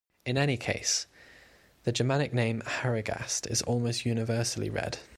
In any case, the Germanic name "Harigast" is almost universally read.